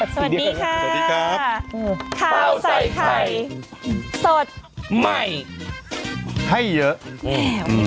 สวัสดีค่ะสวัสดีครับข่าวใส่ไข่สดใหม่ให้เยอะโอเค